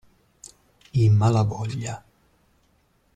I Malavoglia.